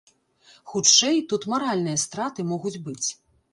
Хутчэй, тут маральныя страты могуць быць.